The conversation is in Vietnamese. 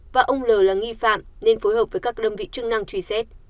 và ông l là nghi phạm nên phối hợp với các đơn vị chức năng truy xét